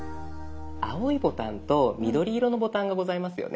青いボタンと緑色のボタンがございますよね。